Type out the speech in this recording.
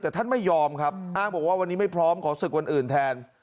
แต่ท่านไม่ยอมครับอ้างบอกว่าวันนี้ไม่พร้อมขอศึกวันอื่นแทน